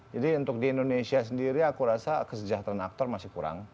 jadi untuk di indonesia sendiri aku rasa kesejahteraan aktor masih kurang